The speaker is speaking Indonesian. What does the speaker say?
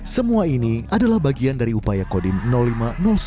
semua ini adalah bagian dari upaya kodim lima ratus dua belas